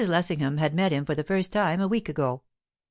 Lessingham had met him for the first time a week ago.